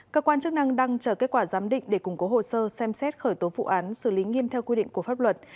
cơ quan chức năng đang chờ kết quả giám định để củng cố hồ sơ xem xét khởi tố vụ án xử lý nghiêm theo quy định của pháp luật